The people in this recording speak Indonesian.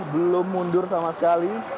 belum mundur sama sekali